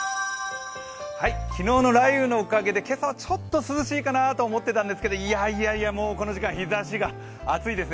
昨日の雷雨のおかげで、今朝はちょっと涼しいかなと思ったんですけど、いやいや、この時間、もう日ざしが熱いです。